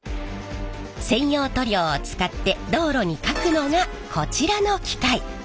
専用塗料を使って道路にかくのがこちらの機械。